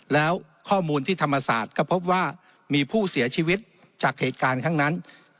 แล้วข้อมูลที่ธรรมศาสตร์ก็พบว่ามีผู้เสียชีวิตจากเหตุการณ์ครั้งนั้น